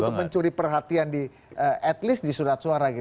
untuk mencuri perhatian di at least di surat suara gitu